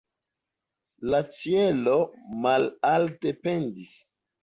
La ĉielo malalte pendis.